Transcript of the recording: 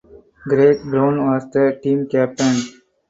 Greg Brown was the team captain.